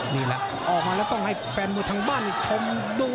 นี่แหละออกมาแล้วต้องให้แฟนมวยทางบ้านชมดู